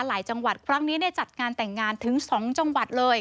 จังหวัดครั้งนี้ได้จัดงานแต่งงานถึง๒จังหวัดเลย